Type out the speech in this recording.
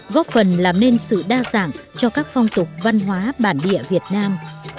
góp phần làm nên sự đa dạng cho các phong tục văn hóa bản địa việt nam